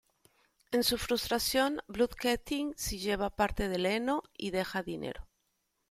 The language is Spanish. En su frustración, Blund-Ketill se lleva parte del heno y le deja dinero.